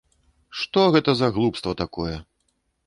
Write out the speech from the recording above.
Што гэта за глупства такое?